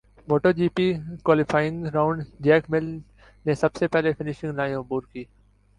motto G P qualifying round Jack Miller نے سب سے پہلے فنش لائن عبور کی